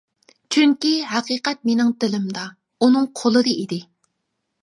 چۈنكى ھەقىقەت مېنىڭ دىلىمدا، ئۇنىڭ قولىدا ئىدى.